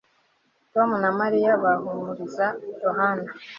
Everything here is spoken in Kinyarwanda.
Tom na Mariya bahumuriza Yohana